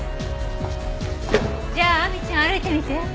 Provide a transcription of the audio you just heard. じゃあ亜美ちゃん歩いてみて。